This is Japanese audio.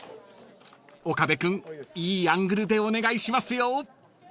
［岡部君いいアングルでお願いしますよ］